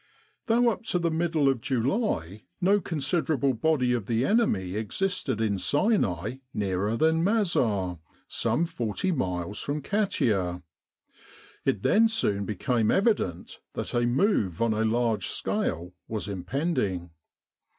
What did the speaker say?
Though up to the middle of July no considerable body of the enemy existed in Sinai nearer than Mazar, some 40 miles from Katia, it then soon became evident that a move on a large scale was impending.